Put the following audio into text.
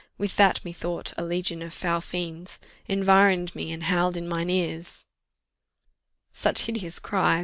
With that, methought, a legion of foul fiends Environ'd me, and howled in mine ears" Such hideous cries!